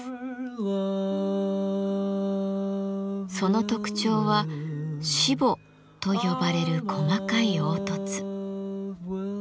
その特徴はしぼと呼ばれる細かい凹凸。